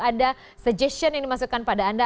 ada suggestion yang dimasukkan pada anda